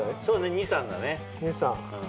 そうね２３だね。